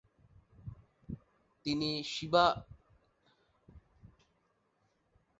তিনি শিহাব শাহীন নির্দেশিত "ভালোবাসার চতুষ্কোণ" ধারাবাহিক নাটকের শিরোনাম গানে কণ্ঠ দেন।